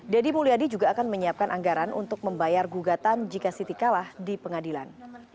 deddy mulyadi juga akan menyiapkan anggaran untuk membayar gugatan jika siti kalah di pengadilan